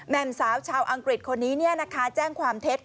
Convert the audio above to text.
แม่มสาวชาวอังกฤษคนนี้แจ้งความเท็จ